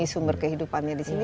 sumber kehidupannya disini